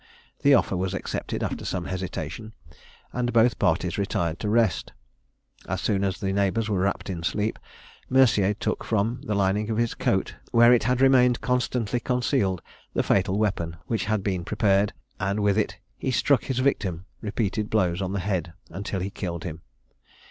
The offer was accepted after some hesitation, and both parties retired to rest. As soon as the neighbours were wrapped in sleep, Mercier took from the lining of his coat, where it had remained constantly concealed, the fatal weapon which had been prepared, and with it he struck his victim repeated blows on the head until he killed him.